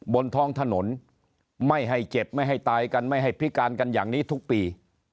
บนท้องถนนไม่ให้เจ็บไม่ให้ตายกันไม่ให้พิการกันอย่างนี้ทุกปี